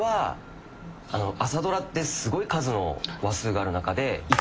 朝ドラってすごい数の話数がある中で。